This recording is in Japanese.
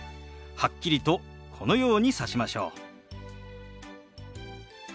はっきりとこのようにさしましょう。